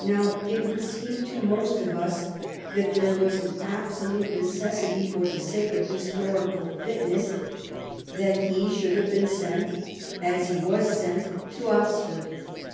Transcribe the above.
Now, it would seem to most of us that there was an absolute necessity, for the sake of historical fitness, that he should have been sent, as he was sent, to Oxford.